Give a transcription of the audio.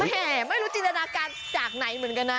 ไม่รู้จินตนาการจากไหนเหมือนกันนะ